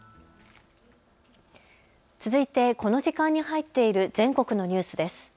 続いてこの時間に入っている全国のニュースです。